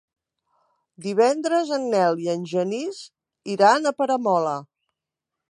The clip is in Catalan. Divendres en Nel i en Genís iran a Peramola.